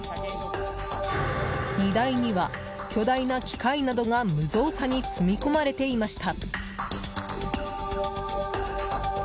荷台には巨大な機械などが無造作に積み込まれていました。